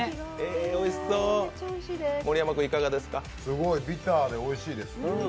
すごいビターでおいしいです。